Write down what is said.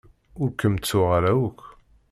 Ur kem-ttuɣ ara akk.